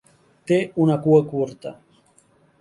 Té una cua curta.